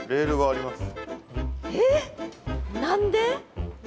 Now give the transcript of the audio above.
えっ何で？